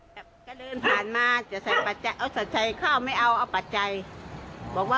เหมือนว่าไม่เข้าวัดแต่ก็ได้ทำอย่าไปรุนทริย์รงค์